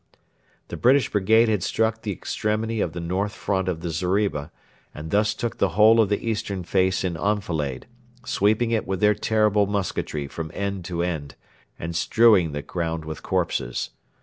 The British brigade had struck the extremity of the north front of the zeriba, and thus took the whole of the eastern face in enfilade, sweeping it with their terrible musketry from end to end, and strewing the ground with corpses.